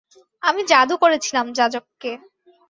আমি জাদু করেছিলাম যাজক কে।